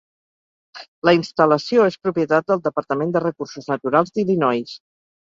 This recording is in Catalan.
La instal·lació és propietat del Departament de recursos naturals d'Illinois.